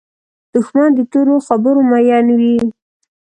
دښمن د تورو خبرو مین وي